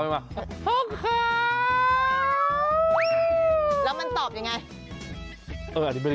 แล้วมันตอบยังไง